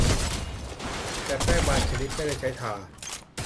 แต่แป้งบางชนิดไม่ได้ใช้ทา